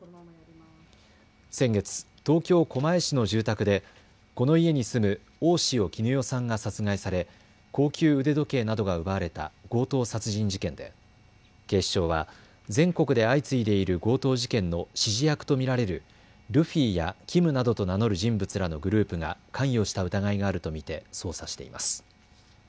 先月、東京狛江市の住宅でこの家に住む大塩衣與さんが殺害され高級腕時計などが奪われた強盗殺人事件で警視庁は全国で相次いでいる強盗事件の指示役と見られるルフィやキムなどと名乗る人物らのグループが関与した疑いがあると見て捜査しています。